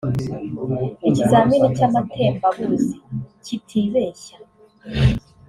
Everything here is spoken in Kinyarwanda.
ikizamini cy’amatembabuzi kitibeshya